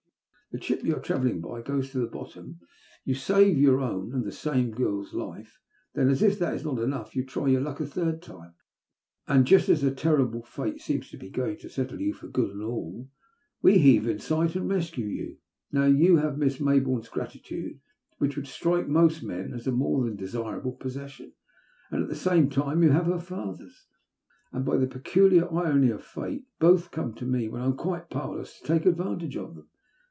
The ship you are travelling by goes to the bottom — ^you save your own and the same girl's life. Then, as if that is not enough, you try your luck a third time ; and, just as a terrible fate seems to be going to settle you for good and all, we heave in sight and rescue you. Now you have Miss Maybourne*s gratitude, which would strike most men as a more than desirable possession, and at the same time you will have her father's." And, by the peculiar irony ol fate, both come to me when I am quite powerless to take advantage of them."